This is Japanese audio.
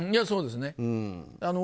そうですね。